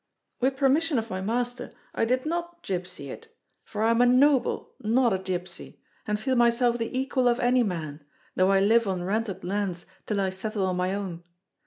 "With permission of my master, I did not gypsy it; for I am a noble, not a gypsy, and feel myself the equal of any man, though I live on rented lands till I settle on my own.